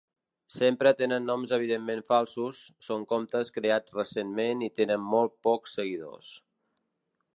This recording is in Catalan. Sempre tenen noms evidentment falsos, són comptes creats recentment i tenen molts pocs seguidors.